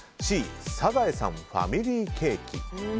Ｃ、サザエさんファミリケーキ。